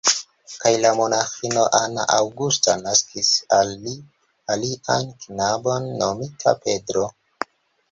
Kaj la monaĥino Ana Augusta naskis al li alian knabon nomita Pedro.